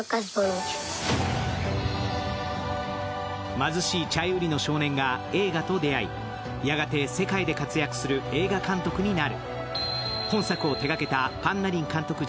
貧しいチャイ売りの少年が映画と出会い、やがて世界で活躍する映画監督になる。